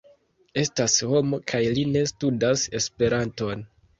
Estas homo, kaj li ne studas Esperanton.